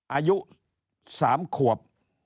อายุ๓ขวบ